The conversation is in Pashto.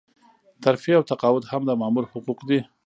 ترفيع او تقاعد هم د مامور حقوق دي.